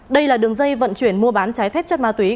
đây là đường dây vận chuyển mua bán trái phép chất ma túy